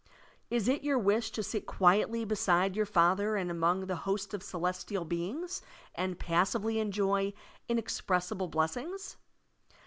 Is it your wish to sit qtiietly beside your Father and among the host of celestial beings and pasavely enjoy inexpressible bless ings?